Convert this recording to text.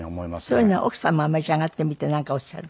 そういうのは奥様は召し上がってみてなんかおっしゃる？